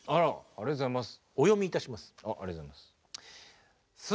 ありがとうございます。